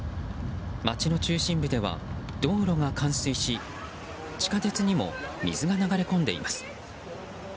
街の中心部では道路が冠水し地下鉄にも水が流れ込んでいます。